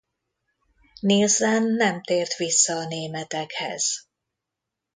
Nielsen nem tért vissza a németekhez.